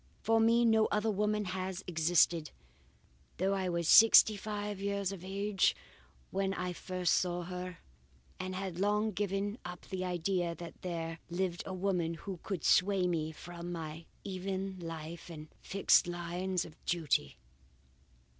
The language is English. For me no other woman has ever existed, though I was sixty five years of age when I first saw her, and had long given up the idea that there lived a woman who could sway me from my even life and fixed lines of duty.